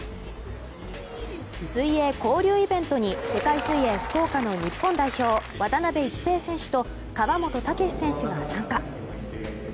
水泳交流イベントに世界水泳福岡の日本代表渡辺一平選手と川本武史選手が参加。